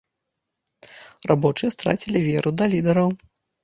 Рабочыя страцілі веру да лідэраў.